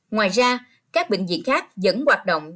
ngoài ra các bệnh viện khác vẫn hoạt động